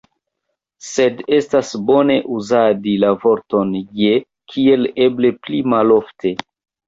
Sed estas bone uzadi la vorton « je » kiel eble pli malofte.